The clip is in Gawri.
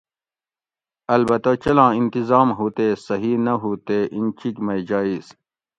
البتہ چلاں انتظام ہُو تے صحیح نہ ہو تے اینچیک مئی جائز